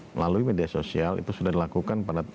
melalui media sosial itu sudah dilakukan pada